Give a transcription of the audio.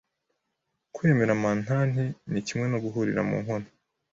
Kwemera mantanti ni kimwe noguhurira munkono